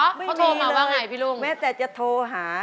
เขาโทรมาว่าไงพี่ลุงไม่มีเลยแม้แต่จะโทรหา